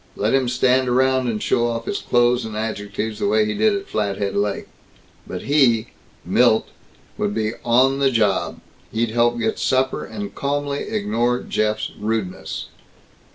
Let him stand around and show off his clothes and adjectives, way he did at Flathead Lake." But he, Milt, would be "on the job." He'd help get supper, and calmly ignore Jeff's rudeness.